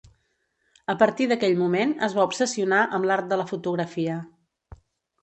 A partir d'aquell moment, es va obsessionar amb l'art de la fotografia.